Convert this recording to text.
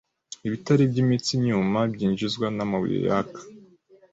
ibitare byimitsi nyuma byinjizwa namabuye yaka